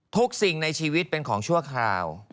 สิ่งในชีวิตเป็นของชั่วคราว